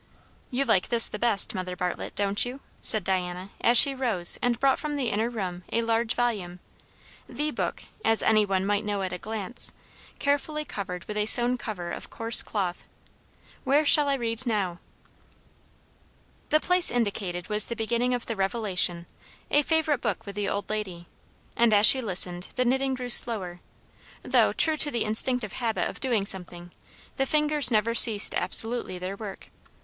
"You like this the best, Mother Bartlett, don't you?" said Diana, as she rose and brought from the inner room a large volume; the Book, as any one might know at a glance; carefully covered with a sewn cover of coarse cloth. "Where shall I read now?" The place indicated was the beginning of the Revelation, a favourite book with the old lady. And as she listened, the knitting grew slower; though, true to the instinctive habit of doing something, the fingers never ceased absolutely their work.